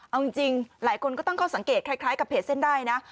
เอาจริงหลายคนก็ตั้งข้อสังเกตคล้ายกับเพจเส้นได้นะ